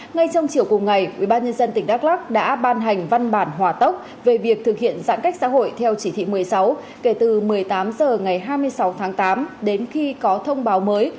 ngay trong chiều cùng ngày ubnd tỉnh đắk lắc đã ban hành văn bản hòa tốc về việc thực hiện giãn cách xã hội theo chỉ thị một mươi sáu kể từ một mươi tám h ngày hai mươi sáu tháng tám đến khi có thông báo mới